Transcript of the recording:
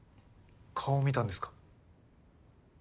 顔見たんですか？